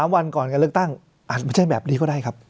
วันก่อนการเลือกตั้งอาจไม่ใช่แบบนี้ก็ได้ครับ